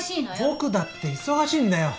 僕だって忙しいんだよ。